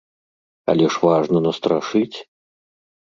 Але ж важна настрашыць!